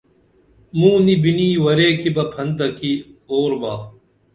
موں نی بِنی ورے کی بہ پھنتہ کی اُور با